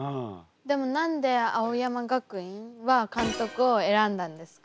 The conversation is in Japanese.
でも何で青山学院は監督を選んだんですか？